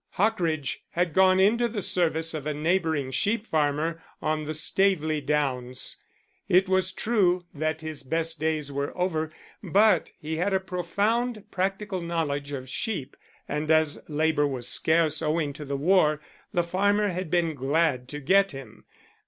Hockridge had gone into the service of a neighbouring sheep farmer on the Staveley Downs. It was true that his best days were over, but he had a profound practical knowledge of sheep, and as labour was scarce, owing to the war, the farmer had been glad to get him.